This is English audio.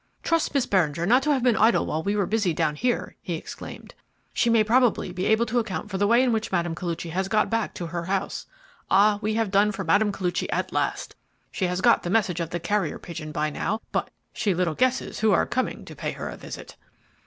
"Trust Miss Beringer not to have been idle while we were busy down here!" he exclaimed. "She may probably be able to account for the way in which Mme. Koluchy has got back to her house. Ah, we have done for Mme. Koluchy at last. She has got the message of the carrier pigeon by now, but she little guesses who are coming to pay her a visit."